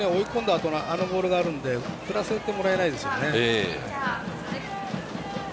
あとあのボールがあるんで振らせてもらえないですよね。